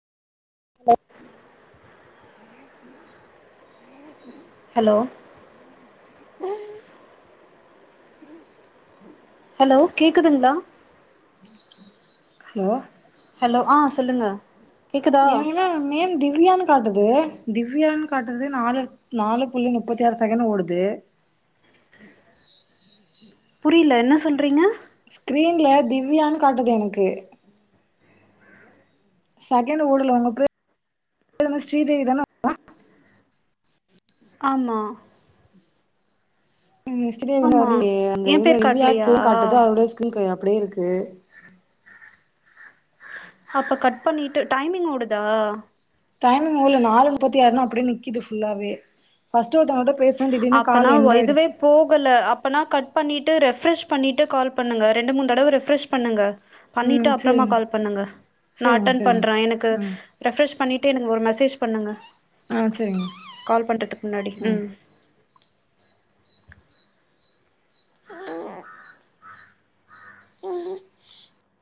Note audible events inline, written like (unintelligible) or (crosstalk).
hello (inaudible) hello (inaudible) hello கேக்குதுங்ளா hello hello ஆ சொல்லுங்க கேக்குதா எங்கனா நேம் திவ்யானு காட்டுது திவ்யானு காட்டுது நாலு நாலு புள்ளி முப்பத்தி ஆறு செகண்ட் ஓடுது புரியல என்ன சொல்றீங்க க்ரீன்ல திவ்யான்னு காட்டுது எனக்கு சகண்ட் ஓடுல உனக்கு உன் பேரு என்ன ஸ்ரீதேவி தான ஆமா இஸ்ரயே ஆமா வரலையே அந்த என் இதுல பேர் திவ்யா காட்லையா கே காட்டுது அதோட சீகின் அப்படியே இருக்கு அப்ப கட் பண்ணிட்டு டைமிங் ஓடுதா டைமிங் ஓடுல நாலு முப்பத்தியாருனு அப்டியே நிக்குது ஃபஸ்ட்டு ஒருத்தவங்கட்ட பேசுன திடீர்னு அப்பனா கால் ஓ எண்ட் இதுவே ஆயிடுச்சு போகல அப்பனா கட் பண்ணிட்டு ரெஃப்ரெஷ் பண்ணிட்டு கால் பண்ணுங்க ரெண்டு மூண தடவ ரெஃப்ரெஷ் பண்ணுங்க பண்ணிட்டு ம் அப்புறமா சரிங்க கால் பண்ணுங்க நா சரிங்க அட்டன் சரிங்க பண்றே எனக்கு ம் ரெஃப்ரெஷ் பண்ணிட்டு எனக்கு ஒரு மெசேஜ் பண்ணுங்க ஆ சரிங்க கால் பண்ணுறதுக்கு முன்னாடி ம் (unintelligible)